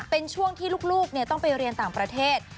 เป็นช่วงที่ลูกต้องไปเรียนต่างประเทศ